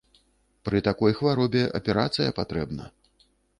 Пры такой хваробе аперацыя патрэбна.